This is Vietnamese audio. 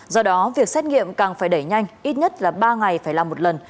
do đó việc xét nghiệm càng phải đẩy nhanh ít nhất là ba ngày phải làm một lần